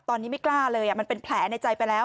ตอนนี้ไม่กล้าเลยมันเป็นแผลในใจไปแล้ว